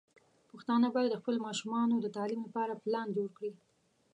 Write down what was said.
پښتانه بايد د خپلو ماشومانو د تعليم لپاره پلان جوړ کړي.